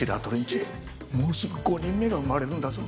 ちもうすぐ５人目が産まれるんだぞ。